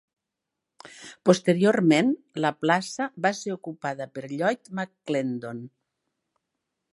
Posteriorment, la plaça va ser ocupada per Lloyd McClendon.